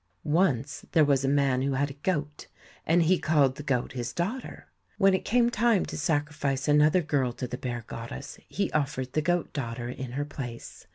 Once there was a man who had a goat, and he called the goat his daughter. When it came time to sacrifice another girl to the bear goddess, he offered the goat daughter in her place.